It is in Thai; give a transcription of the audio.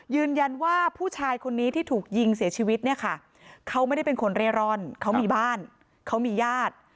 ยืนยันว่าผู้ชายคนนี้ที่ถูกยิงเสียชีวิตเนี่ยค่ะเขาไม่ได้เป็นคนเร่ร่อนเขามีบ้านเขามีญาติ